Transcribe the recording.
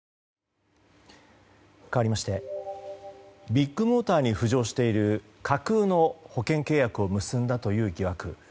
かわりましてビッグモーターに浮上している架空の保険契約を結んだという疑惑。